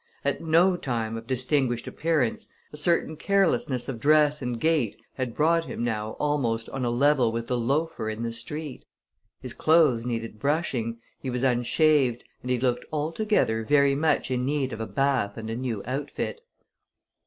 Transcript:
At no time of distinguished appearance, a certain carelessness of dress and gait had brought him now almost on a level with the loafer in the street. His clothes needed brushing, he was unshaved, and he looked altogether very much in need of a bath and a new outfit.